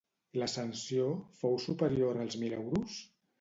La sanció fou superior als mil euros?